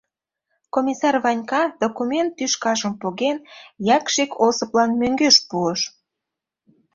Комиссар Ванька, документ тӱшкажым поген, Якшик Осыплан мӧҥгеш пуыш: